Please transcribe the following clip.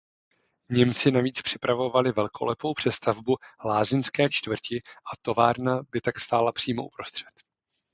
Němci navíc připravovali velkolepou přestavbu lázeňské čtvrti a továrna by tak stála přímo uprostřed.